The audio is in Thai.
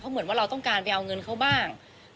เหมือนว่าเราต้องการไปเอาเงินเขาบ้าง